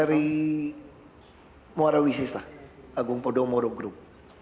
dari muara wisista agung podomoro group